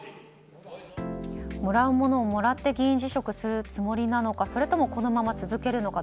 もらうものをもらって議員辞職するつもりなのかそれとも、このまま続けるのか。